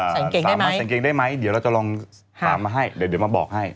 สามารถแต่งเกงได้ไหมเดี๋ยวเราจะลองถามมาให้เดี๋ยวมาบอกให้